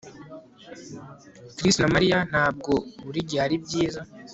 Chris na Mariya ntabwo buri gihe ari byiza